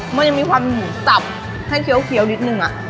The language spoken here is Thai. มันยังมีความหมูสับให้เคี้ยวเคี้ยวนิดหนึ่งอ่ะ